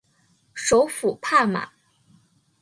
首府帕马。